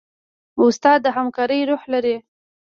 استاد د همکارۍ روح لري.